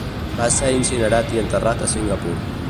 Va ser incinerat i enterrat a Singapur.